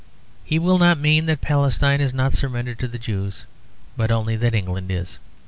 He will not mean that Palestine is not surrendered to the Jews, but only that England is.